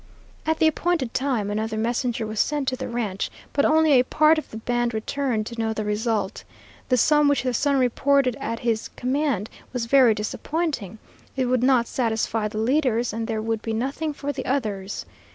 At the appointed time, another messenger was sent to the ranch, but only a part of the band returned to know the result. The sum which the son reported at his command was very disappointing. It would not satisfy the leaders, and there would be nothing for the others.